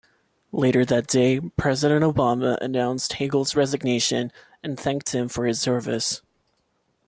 Later that day, President Obama announced Hagel's resignation and thanked him for his service.